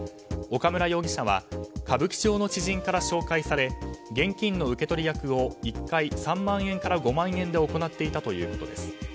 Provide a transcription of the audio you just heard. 岡村容疑者は歌舞伎町の知人から紹介され現金の受け取り役を１回３万円から５万円で行っていたということです。